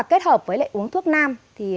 kết hợp với uống thuốc nam